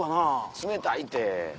冷たいて。